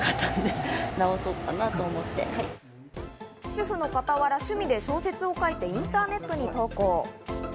主婦の傍ら、趣味で小説を書いてインターネットに投稿。